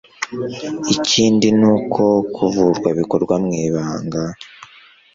ikindi ni uko kuvurwa bikorwa mu ibanga